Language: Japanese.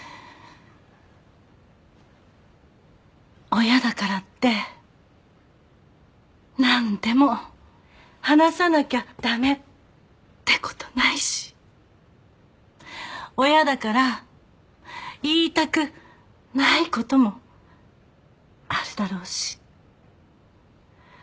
親だからって何でも話さなきゃ駄目ってことないし親だから言いたくないこともあるだろうし。